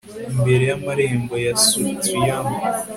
Imbere yamarembo ya Sutrium